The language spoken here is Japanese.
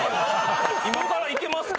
「今から行けますか？」